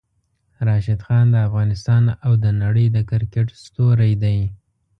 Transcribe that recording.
راشد خان د افغانستان او د نړۍ د کرکټ ستوری ده!